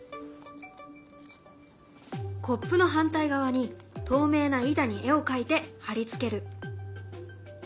コップの反対側に透明な板に絵を描いて貼り付ける。